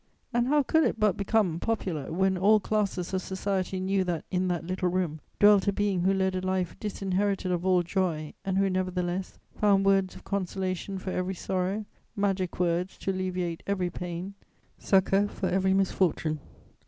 And how could it but become popular, when all classes of society knew that, in that little room, dwelt a being who led a life disinherited of all joy and who, nevertheless, found words of consolation for every sorrow, magic words to alleviate every pain, succour for every misfortune?